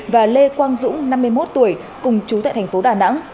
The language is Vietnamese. và lê quang dũng năm mươi một tuổi cùng chú tại thành phố đà nẵng